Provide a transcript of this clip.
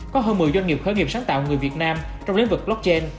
có hơn một mươi doanh nghiệp khởi nghiệp sáng tạo người việt nam trong lĩnh vực blockchain